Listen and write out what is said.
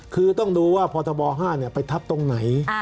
คือต้องดูว่าพบ๕ไปทับตรงไหน